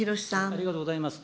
ありがとうございます。